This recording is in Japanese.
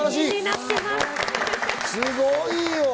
すごいよ！